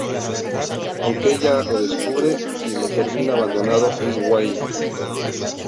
Aunque ella lo descubre, quien la termina abandonando es Wayne.